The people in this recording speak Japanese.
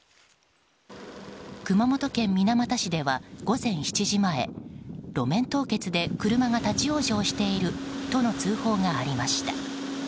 熊本県水俣市では午前７時前路面凍結で車が立ち往生しているとの通報がありました。